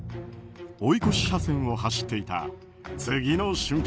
追い越し車線を走っていた次の瞬間。